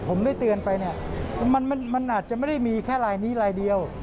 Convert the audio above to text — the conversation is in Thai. ผมได้เตือนไปเนี่ยมันอาจจะไม่ได้มีแค่ลายนี้ลายเดียว